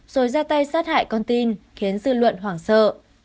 rồi ra tay sát hại con tin khiến dư luận hoảng sợ